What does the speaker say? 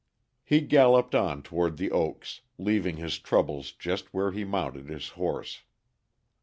He galloped on toward The Oaks, leaving his troubles just where he mounted his horse.